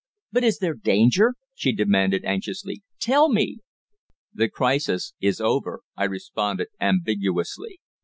"But is there danger?" she demanded anxiously. "Tell me." "The crisis is over," I responded ambiguously.